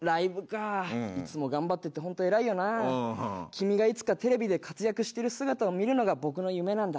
君がいつかテレビで活躍してる姿を見るのが僕の夢なんだ。